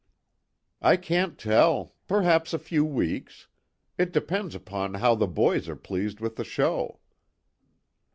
"I can't tell. Perhaps a few weeks. It depends upon how the boys are pleased with the show."